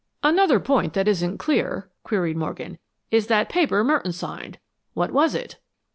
"Another point that isn't clear," queried Morgan, "is that paper Merton signed. What was it?"